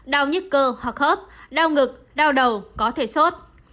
đau nhức cơ hoặc hớp đau ngực đau đầu có thể sốt